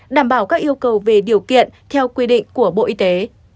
đảm bảo các yêu cầu về điều kiện theo quy định của bộ y tế